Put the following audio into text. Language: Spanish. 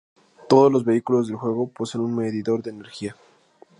Todos los vehículos del juego poseen un medidor de energía.